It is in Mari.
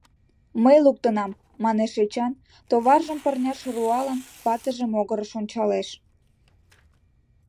— Мый луктынам! — манеш Эчан, товаржым пырняш руалын, ватыже могырыш ончалеш.